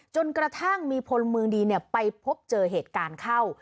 จนกระทั่งมีพลเมืองดีไปพบเจอเหตุการณ์เข้า